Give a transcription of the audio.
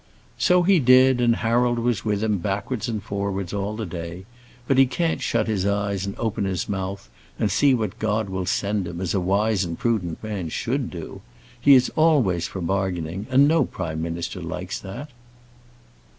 "So he did, and Harold was with him backwards and forwards all the day. But he can't shut his eyes and open his mouth, and see what God will send him, as a wise and prudent man should do. He is always for bargaining, and no Prime Minister likes that."